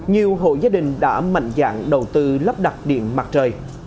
nhiều hộ gia đình đã mạnh dạng đầu tư lắp đặt điện mặt trời